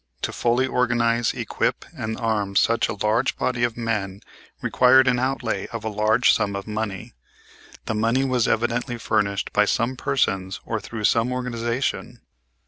To fully organize, equip, and arm such a large body of men required an outlay of a large sum of money. The money was evidently furnished by some persons or through some organization.